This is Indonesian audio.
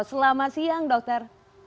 selamat siang dokter